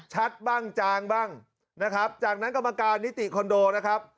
บ้างจางบ้างนะครับจากนั้นกรรมการนิติคอนโดนะครับ